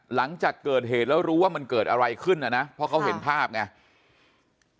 หลังจากเกิดเหตุแล้วรู้ว่ามันเกิดอะไรขึ้นนะนะเพราะเขาเห็นภาพไง